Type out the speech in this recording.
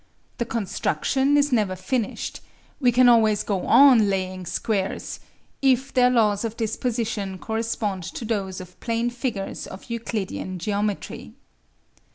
The construction is never finished; we can always go on laying squares if their laws of disposition correspond to those of plane figures of Euclidean geometry.